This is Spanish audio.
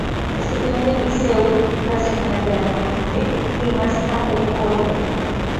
Estudió en el Liceu Nacional de Amarante y más tarde en Coimbra.